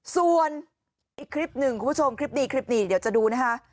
ส่วนอีกคลิปหนึ่งคุณผู้ชมคลิปดีคลิปนี้เดี๋ยวจะดูนะคะ